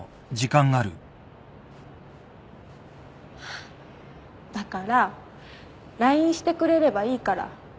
ハァだからＬＩＮＥしてくれればいいから。